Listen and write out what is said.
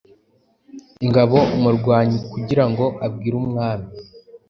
ingabo-umurwanyikugirango abwire Umwami